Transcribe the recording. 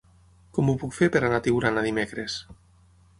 Com ho puc fer per anar a Tiurana dimecres?